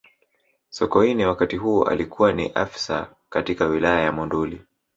sokoine wakati huo alikuwa ni afisa katika wilaya ya monduli